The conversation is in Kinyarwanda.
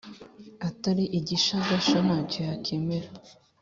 Atari igishagasha ntacyo yakemera